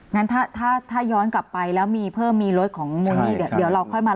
งั้นถ้าถ้าย้อนกลับไปแล้วมีเพิ่มมีรถของมูลนี่เดี๋ยวเราค่อยมา